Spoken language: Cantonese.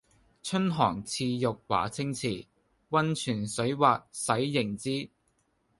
春寒賜浴華清池，溫泉水滑洗凝脂。